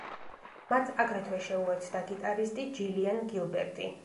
მათ აგრეთვე შეუერთდა გიტარისტი ჯილიან გილბერტი.